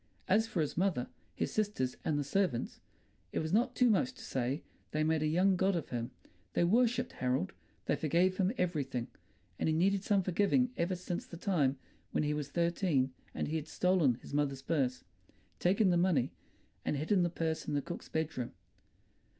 As for his mother, his sisters, and the servants, it was not too much to say they made a young god of him; they worshipped Harold, they forgave him everything; and he had needed some forgiving ever since the time when he was thirteen and he had stolen his mother's purse, taken the money, and hidden the purse in the cook's bedroom.